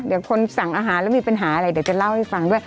เดี๋ยวคนสั่งอาหารแล้วมีปัญหาอะไรเดี๋ยวจะเล่าให้ฟังด้วย